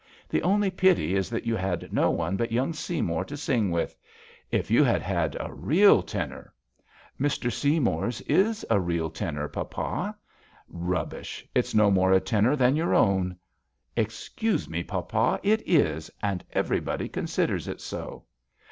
The only pity is that you had no one but young Seymour to sing with: if you had had a real tenor "" Mr. Seymour's is a real tenor, papa." " Rubbish 1 it's no more a tenor than your own." " Excuse me, papa, it is, and everybody considers it so."